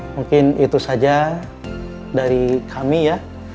mungkin itu saja dari kami ya